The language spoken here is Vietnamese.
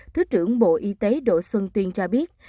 thứ trưởng bộ y tế đỗ xuân tuyên cho biết